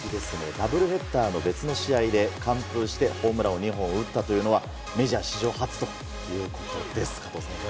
ダブルヘッダーの別の試合で完封してホームランを２本打ったのはメジャー史上初ということです。